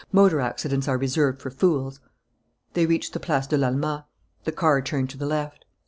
"Motor accidents are reserved for fools." They reached the Place de l'Alma. The car turned to the left.